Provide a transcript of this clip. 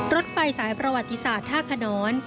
รถไฟสายประวัติศาสตร์ท่าขนอน